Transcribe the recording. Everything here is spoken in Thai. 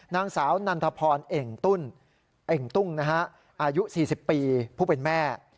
นางสาวนันทพรเอ่งเอ่งตุ้งอายุ๔๐ปีผู้เป็นแม่